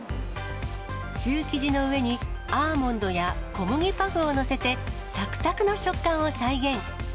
シュー生地の上にアーモンドや小麦パフを載せて、さくさくの食感を再現。